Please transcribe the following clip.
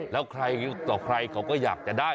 แล้วใครต่อใครเขาก็อยากจะได้